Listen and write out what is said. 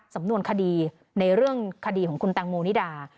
สำนวนคดีในเรื่องคดีของคุณแตงโมนิดา